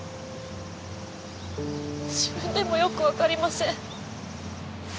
自分でもよくわかりません。